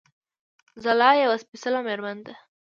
ځلا يوه سپېڅلې مېرمن ده